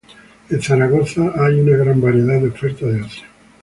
En Zaragoza hay una gran variedad de oferta de ocio.